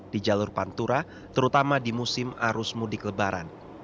di jalur pantura terutama di musim arus mudik lebaran